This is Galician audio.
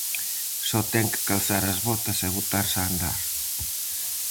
Só ten que calzar as botas e botarse a andar.